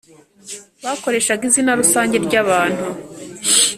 Bakoreshaga izina rusange ry abantu